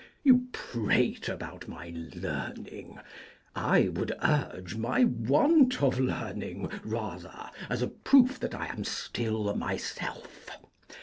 You prate about my learning. I would urge My want of learning rather as a proof That I am still myself.